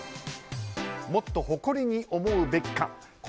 もっと誇りに思うべきか。